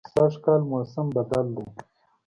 سږکال موسم بدل دی